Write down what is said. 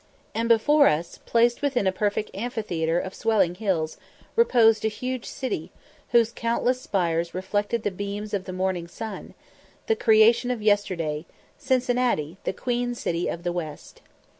And before us, placed within a perfect amphitheatre of swelling hills, reposed a huge city, whose countless spires reflected the beams of the morning sun the creation of yesterday Cincinnati, the "Queen City of the West."